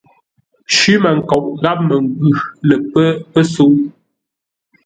Cwímənkoʼ gháp məngwʉ̂ lə pə́ pəsə̌u.